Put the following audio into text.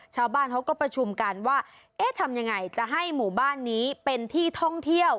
ชาวบ้านเขาก็ประชุมกันว่าเอ๊ะทำยังไงจะให้หมู่บ้านนี้เป็นที่ท่องเที่ยว